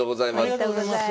ありがとうございます。